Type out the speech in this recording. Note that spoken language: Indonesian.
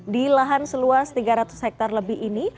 di lahan seluas tiga ratus hektare lebih ini